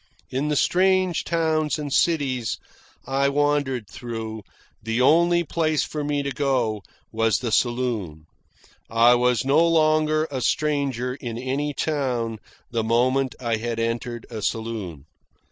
In the strange towns and cities I wandered through, the only place for me to go was the saloon. I was no longer a stranger in any town the moment I had entered a saloon.